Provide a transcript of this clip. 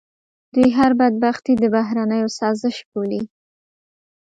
دوی هر بدبختي د بهرنیو سازش بولي.